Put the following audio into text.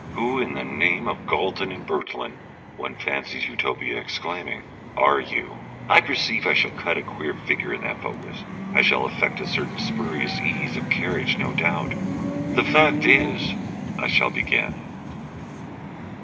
"Who in the name of Galton and Bertillon," one fancies Utopia exclaiming, "are you?" I perceive I shall cut a queer figure in that focus. I shall affect a certain spurious ease of carriage no doubt. "The fact is, I shall begin...."